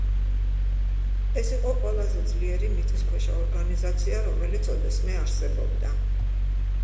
ეს იყო ყველაზე ძლიერი მიწისქვეშა ორგანიზაცია, რომელიც ოდესმე არსებობდა.